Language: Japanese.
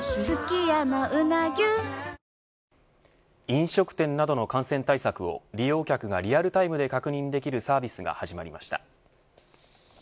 飲食店などの感染対策を利用客がリアルタイムで確認できるサービスが始まりました。